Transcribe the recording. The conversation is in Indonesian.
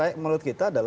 ada beberapa indikator